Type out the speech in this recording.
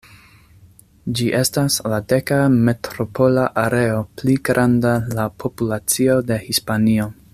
Ĝi estas la deka metropola areo pli granda laŭ populacio de Hispanio.